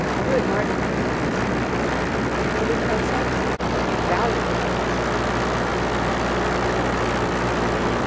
Good marginal drawings. The Loutrell Psalter. Invaluable for costume.